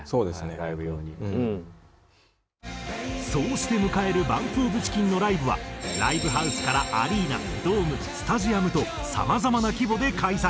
そうして迎えるＢＵＭＰＯＦＣＨＩＣＫＥＮのライブはライブハウスからアリーナドームスタジアムとさまざまな規模で開催。